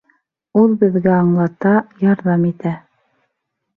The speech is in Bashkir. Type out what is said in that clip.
Ул беҙгә аңлата, ярҙам итә.